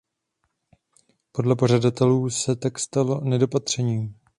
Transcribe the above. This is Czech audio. Podle pořadatelů se tak stalo „nedopatřením“.